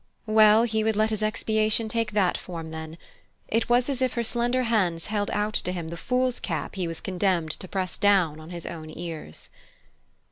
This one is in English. Well! he would let his expiation take that form, then it was as if her slender hands held out to him the fool's cap he was condemned to press down on his own ears.